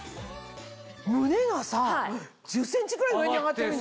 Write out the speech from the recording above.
胸がさ１０ｃｍぐらい上に上がってる！